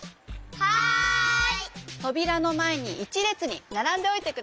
はい！